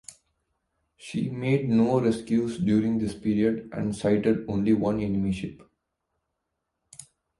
She made no rescues during this period and sighted only one enemy ship.